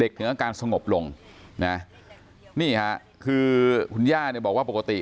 ถึงอาการสงบลงนะนี่ค่ะคือคุณย่าเนี่ยบอกว่าปกติ